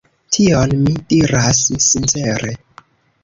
Tion mi diras sincere.